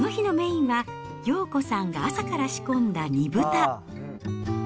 この日のメインは、洋子さんが朝から仕込んだ煮豚。